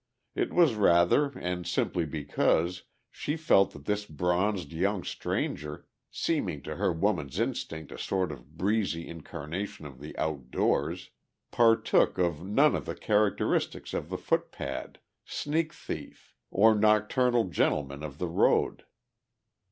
It was rather and simply because she felt that this bronzed young stranger, seeming to her woman's instinct a sort of breezy incarnation of the outdoors, partook of none of the characteristics of the footpad, sneak thief or nocturnal gentleman of the road.